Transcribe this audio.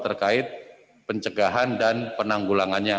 terkait pencegahan dan penanggulangannya